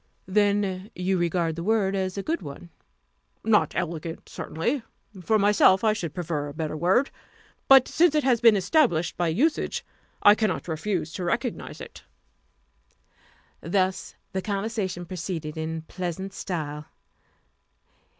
"Then you regard the word as a good one?" "Not elegant, certainly. For myself, I should prefer a better word; but since it has been established by usage, I cannot refuse to recognize it." Thus the conversation proceeded in pleasant style.